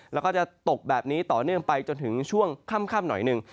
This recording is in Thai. แล้วก็จะตกแบบนี้ต่อเนื่องไปจนถึงช่วงค่ำหน่อยหนึ่ง